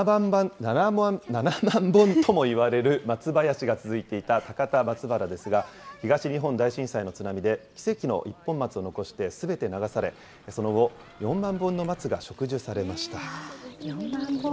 ７万本ともいわれる松林が続いていた高田松原ですが、東日本大震災の津波で、奇跡の一本松を残してすべて流され、その後、４万本もの植樹。